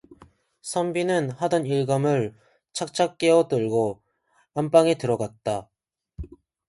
선비는 하던 일감을 착착 개어 들고 안방으로 들어갔다.